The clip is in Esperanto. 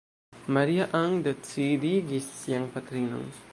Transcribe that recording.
Maria-Ann decidigis sian patrinon.